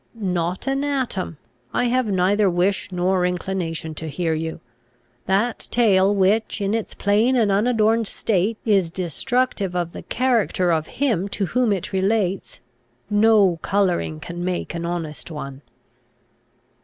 "Not an atom. I have neither wish nor inclination to hear you. That tale which, in its plain and unadorned state, is destructive of the character of him to whom it relates, no colouring can make an honest one."